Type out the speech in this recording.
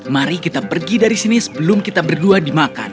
mari kita pergi dari sini sebelum kita berdua dimakan